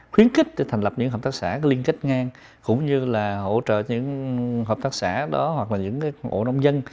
khuyến khích để thành lập những hợp tác xã liên kết ngang cũng như là hỗ trợ những hợp tác xã đó hoặc là những hộ nông dân